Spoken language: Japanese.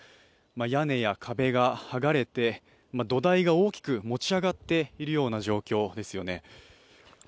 屋根や壁が剥がれて土台が大きく持ち上がっている状態ですよね。